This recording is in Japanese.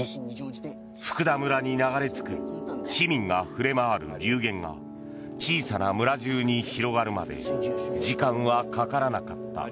福田村に流れ着く市民が触れ回る流言が小さな村中に広がるまで時間はかからなかった。